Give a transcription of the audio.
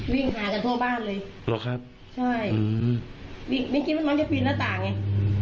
หากันทั่วบ้านเลยหรอกครับใช่อืมไม่คิดว่าน้องจะปีนหน้าต่างไง